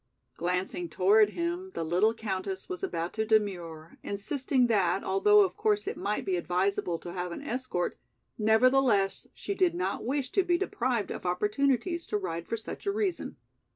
Glancing toward him, the little countess was about to demur, insisting that, although of course it might be advisable to have an escort, nevertheless, she did not wish to be deprived of opportunities to ride for such a reason.